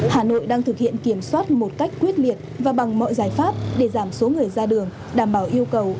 hà nội đang thực hiện kiểm soát một cách quyết liệt và bằng mọi giải pháp để giảm số người ra đường đảm bảo yêu cầu ai ở đâu ở yên đó